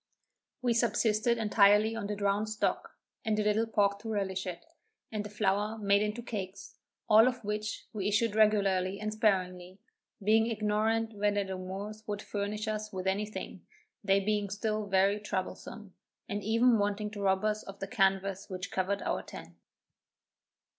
We subsisted entirely on the drowned stock, and a little pork to relish it, and the flour made into cakes; all of which we issued regularly and sparingly, being ignorant whether the Moors would furnish us with any thing, they being still very troublesome, and even wanting to rob us of the canvass which covered our tent.